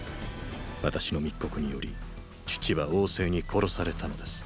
私の密告により父は王政に殺されたのです。